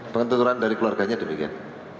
pengetuturan dari keluarganya demikian